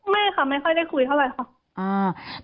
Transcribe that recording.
ไม่ค่ะไม่ค่อยได้คุยเท่าไหร่ค่ะ